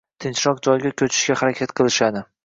tinchroq joyga ko‘chishga harakat qilishadi.